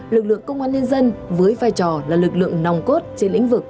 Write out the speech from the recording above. lực lượng công an nhân dân với vai trò là lực lượng nòng cốt trên lĩnh vực